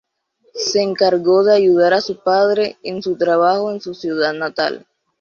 Se encargó de ayudar a su padre en su trabajo en su ciudad natal.